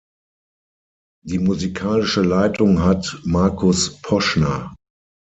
Die musikalische Leitung hat Markus Poschner.